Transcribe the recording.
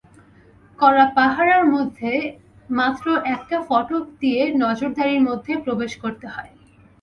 কড়া পাহারার মধ্যে মাত্র একটা ফটক দিয়ে নজরদারির মধ্যে প্রবেশ করতে হয়।